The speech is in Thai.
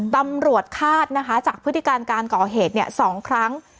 ตำรวจคาดนะคะจากพฤติการการก่อเหตุ๒ครั้ง